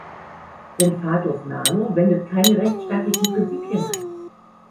Denn Fatos Nano wendet keine rechtsstaatlichen Prinzipien an.